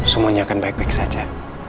semuanya akan baik baik saja